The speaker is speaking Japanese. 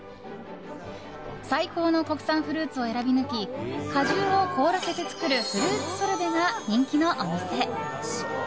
最高の国産フルーツを選び抜き果汁を凍らせて作るフルーツソルベが人気のお店。